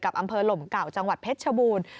อำเภอหลมเก่าจังหวัดเพชรชบูรณ์